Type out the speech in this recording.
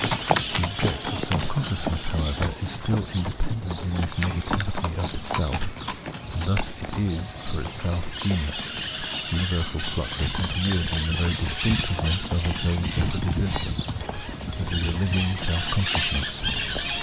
The object of self consciousness, however, is still independent in this negativity of itself ; and thus it is for itself genus, universal flux or continuity in the very distinctiveness of its own separate existence ; it is a living self consciousness.